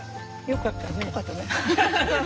よかったね。